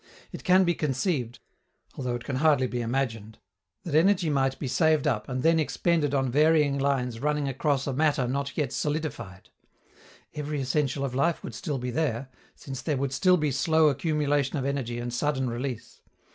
It can be conceived (although it can hardly be imagined) that energy might be saved up, and then expended on varying lines running across a matter not yet solidified. Every essential of life would still be there, since there would still be slow accumulation of energy and sudden release.